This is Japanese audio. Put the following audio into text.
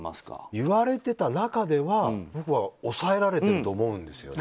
言われてた中では僕は抑えられていると思うんですね。